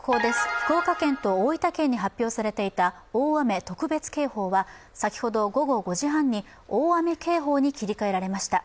福岡県と大分県に発表されていた大雨特別警報は先ほど、午後５時半に大雨警報に切り替えられました。